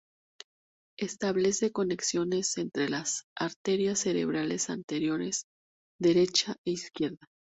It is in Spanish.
Establece conexiones entre las arterias cerebrales anteriores derecha e izquierda.